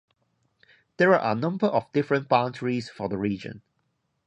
There are a number of different boundaries for the region.